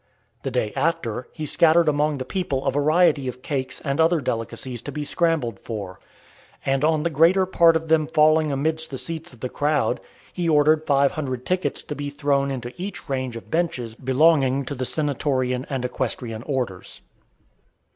The day after, he scattered among the people a variety of cakes and other delicacies to be scrambled for; and on the greater part of them falling amidst the seats of the crowd, he ordered five hundred tickets to be thrown into each range of benches belonging to the senatorian and equestrian orders.